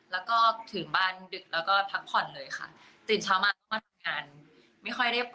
ไม่ค่อยได้ปลอดภัยโดยเวียนค่ะ